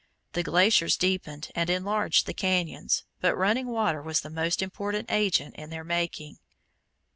The glaciers deepened and enlarged the cañons, but running water was the most important agent in their making.